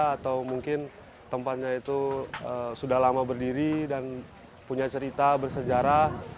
atau mungkin tempatnya itu sudah lama berdiri dan punya cerita bersejarah